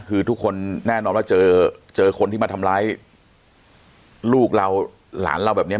คือทุกคนแน่นอนว่าเจอเจอคนที่มาทำร้ายลูกเราหลานเราแบบนี้